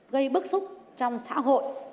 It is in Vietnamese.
gây bức xúc trong xã hội